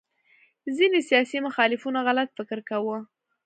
ځینې سیاسي مخالفینو غلط فکر کاوه